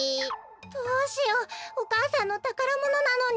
どうしようお母さんのたからものなのに。